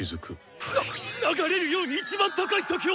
なっ流れるように一番高い酒を！